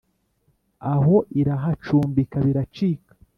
Aho irahacumbika biracika: